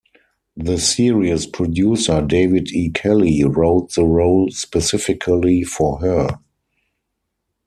The series' producer, David E. Kelley, wrote the role specifically for her.